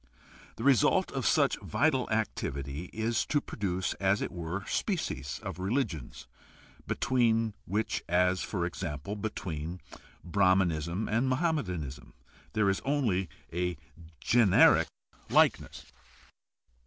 The result of such vital activity is to produce, as it were, species of religions, between which, as, for example, between Brahmanism and Mohammedanism, there is only a generic likeness.